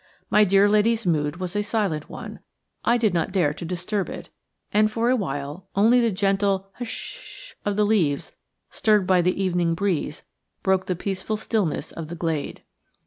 My dear lady's mood was a silent one; I did not dare to disturb it, and, for a while, only the gentle "hush–sh–sh" of the leaves, stirred by the evening breeze, broke the peaceful stillness of the glade.